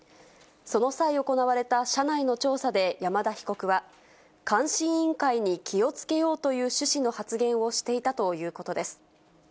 その際行われた社内の調査で山田被告は、監視委員会に気をつけようという趣旨の発言をしていたということです。